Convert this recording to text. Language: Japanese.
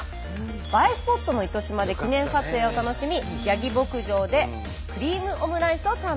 映えスポットの糸島で記念撮影を楽しみやぎ牧場でクリームオムライスを堪能。